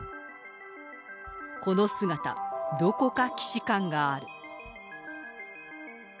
この姿、どこか既視感がある。